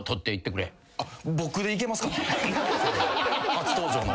初登場の。